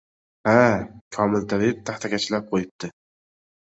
Ha, Komil tabib taxtakachlab qo‘yibdi.